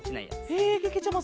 へえけけちゃま